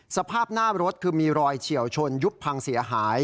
สภาพหน้ารถคือมีรอยเฉียวชนยุบพังเสียหาย